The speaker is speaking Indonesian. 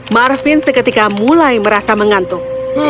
marvin seketika mulai merasa mengantuk